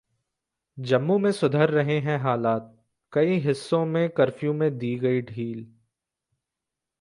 जम्मू में सुधर रहे हैं हालात, कई हिस्सों में कर्फ्यू में दी गई ढील